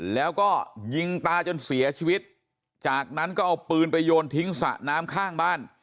แล้วก็ยิงตาจนเสียชีวิตจากนั้นก็เอาปืนไปโยนทิ้งสระน้ำข้างบ้าน